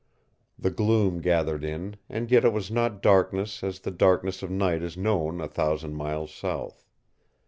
The gloom gathered in, and yet it was not darkness as the darkness of night is known a thousand miles south.